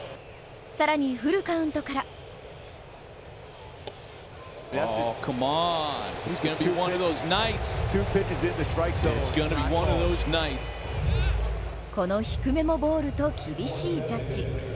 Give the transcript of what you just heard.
更にフルカウントからこの低めもボールと厳しいジャッジ。